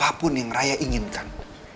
apapun yang raya inginkan